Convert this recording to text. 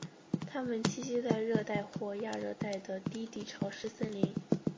它们栖息在热带或亚热带的低地潮湿森林。